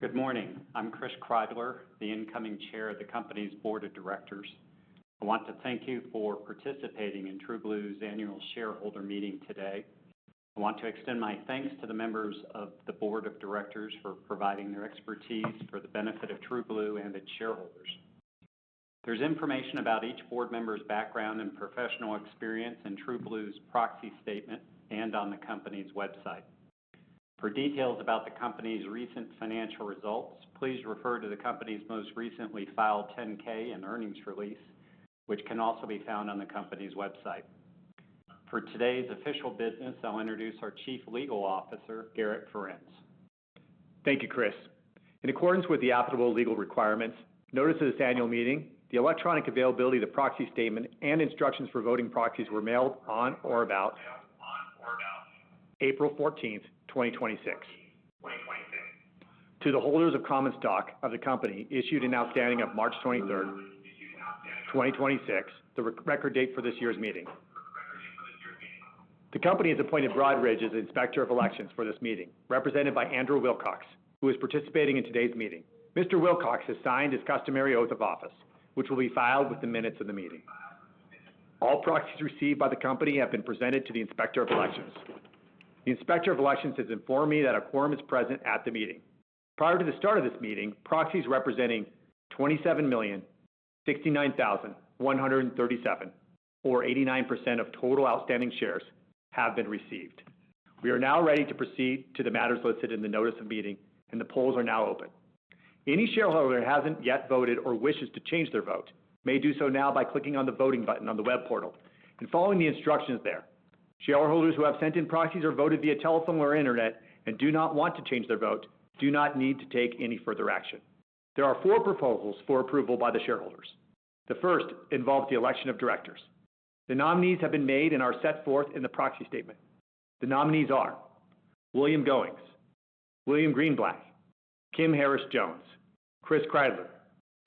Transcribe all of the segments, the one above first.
Good morning. I'm Chris Kreidler, the incoming Chair of the company's Board of Directors. I want to thank you for participating in TrueBlue's annual shareholder meeting today. I want to extend my thanks to the members of the Board of Directors for providing their expertise for the benefit of TrueBlue and its shareholders. There's information about each Board member's background and professional experience in TrueBlue's proxy statement and on the company's website. For details about the company's recent financial results, please refer to the company's most recently filed Form 10-K and earnings release, which can also be found on the company's website. For today's official business, I'll introduce our Chief Legal Officer, Garrett Ferencz. Thank you, Chris. In accordance with the applicable legal requirements, notice of this annual meeting, the electronic availability of the proxy statement, and instructions for voting proxies were mailed on or about April 14th, 2026. To the holders of common stock of the company issued and outstanding of March 23rd, 2026, the re-record date for this year's meeting. The company has appointed Broadridge as inspector of elections for this meeting, represented by Andrew Wilcox, who is participating in today's meeting. Mr. Wilcox has signed his customary oath of office, which will be filed with the minutes of the meeting. All proxies received by the company have been presented to the inspector of elections. The inspector of elections has informed me that a quorum is present at the meeting. Prior to the start of this meeting, proxies representing 27,069,137, or 89% of total outstanding shares have been received. We are now ready to proceed to the matters listed in the notice of meeting, and the polls are now open. Any shareholder who hasn't yet voted or wishes to change their vote may do so now by clicking on the voting button on the web portal and following the instructions there. Shareholders who have sent in proxies or voted via telephone or internet and do not want to change their vote do not need to take any further action. There are 4 proposals for approval by the shareholders. The first involves the election of directors. The nominees have been made and are set forth in the proxy statement. The nominees are William Goings, William Greenblatt, Kim Harris Jones, Chris Kreidler,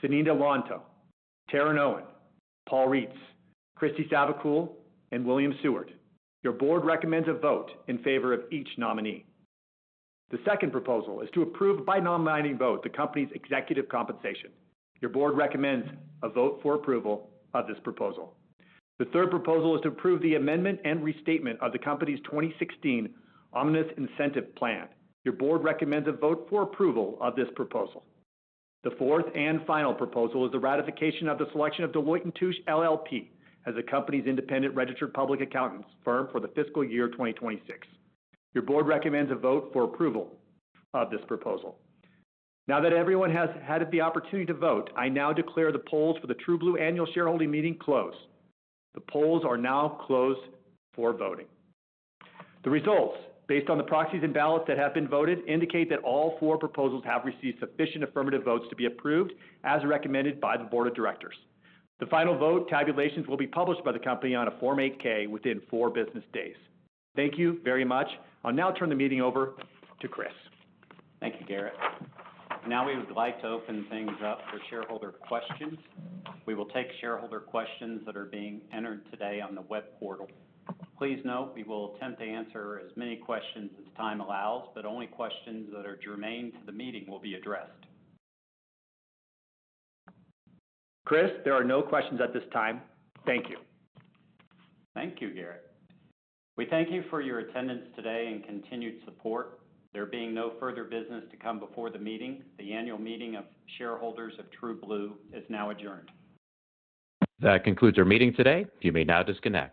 Sonita Lontoh, Taryn Owen, Paul Reitz, Kristi Savacool, and William Seward. Your board recommends a vote in favor of each nominee. The second proposal is to approve by non-binding vote the company's executive compensation. Your board recommends a vote for approval of this proposal. The third proposal is to approve the amendment and restatement of the company's 2016 Omnibus Incentive Plan. Your board recommends a vote for approval of this proposal. The fourth and final proposal is the ratification of the selection of Deloitte & Touche LLP as the company's independent registered public accountants firm for the fiscal year 2026. Your board recommends a vote for approval of this proposal. Now that everyone has had the opportunity to vote, I now declare the polls for the TrueBlue annual shareholding meeting closed. The polls are now closed for voting. The results based on the proxies and ballots that have been voted indicate that all four proposals have received sufficient affirmative votes to be approved as recommended by the board of directors. The final vote tabulations will be published by the company on a Form 8-K within four business days. Thank you very much. I'll now turn the meeting over to Chris. Thank you, Garrett. We would like to open things up for shareholder questions. We will take shareholder questions that are being entered today on the web portal. Please note we will attempt to answer as many questions as time allows, but only questions that are germane to the meeting will be addressed. Chris, there are no questions at this time. Thank you. Thank you, Garrett. We thank you for your attendance today and continued support. There being no further business to come before the meeting, the annual meeting of shareholders of TrueBlue, Inc. is now adjourned. That concludes our meeting today. You may now disconnect.